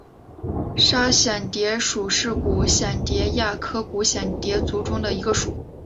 沙蚬蝶属是古蚬蝶亚科古蚬蝶族中的一个属。